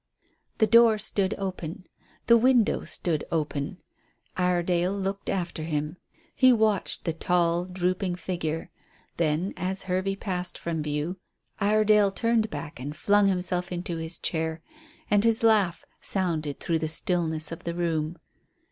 The door stood open; the window stood open. Iredale looked after him. He watched the tall, drooping figure; then, as Hervey passed from view, Iredale turned back and flung himself into his chair, and his laugh sounded through the stillness of the room.